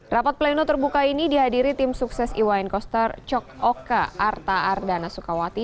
rapat pleno terbuka ini dihadiri tim sukses iwayan koster cok oka arta ardana sukawati